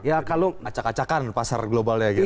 acak acakan pasar globalnya